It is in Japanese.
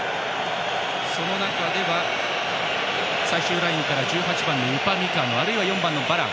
その中で、最終ラインから１８番、ウパミカノあるいは４番のバラン。